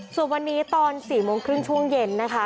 ส่วนวันนี้ตอน๔โมงครึ่งช่วงเย็นนะคะ